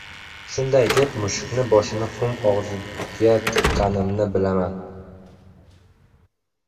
Shunday deb mushukning boshini xum og‘ziga tiqqanimni bilaman.